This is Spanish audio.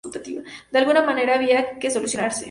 De alguna manera había que solucionarse.